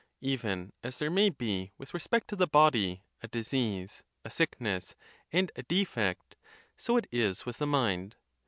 Even as there may be, with respect to the body, a disease, a sickness, and a defect, so it is with the mind.